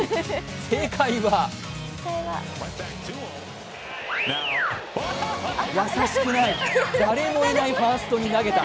正解は優しくない、誰もいないファーストに投げた。